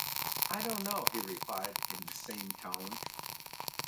‘I don’t know,’ he replied, in the same tone.